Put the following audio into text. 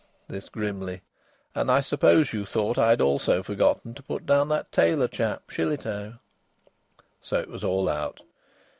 This grimly. "And I suppose you thought I'd also forgotten to put down that tailor chap, Shillitoe?" So it was all out!